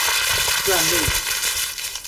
亂入